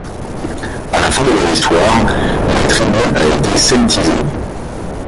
À la fin de leur histoire, la tribu a été celtisée.